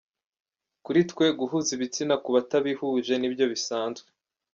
Kuri twe, guhuza ibitsina ku batabihuje nibyo bisanzwe.